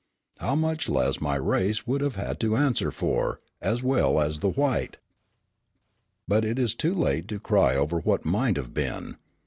How much less my race would have had to answer for, as well as the white! But it is too late to cry over what might have been.